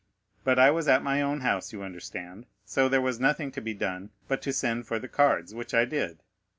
But I was at my own house, you understand, so there was nothing to be done but to send for the cards, which I did.